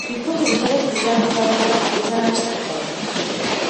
د پوهې ذخیره کې د ځان لپاره روزنه شرط دی.